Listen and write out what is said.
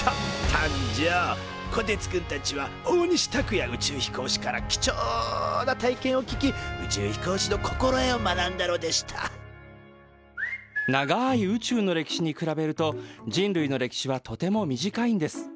こてつくんたちは大西卓哉宇宙飛行士から貴重な体験を聞き宇宙飛行士の心得を学んだのでした長い宇宙の歴史に比べると人類の歴史はとても短いんです。